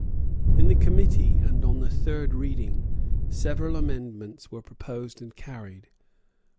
In the Committee and on the third reading several amendments were proposed and carried.